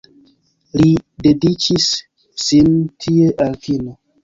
Li dediĉis sin tie al kino.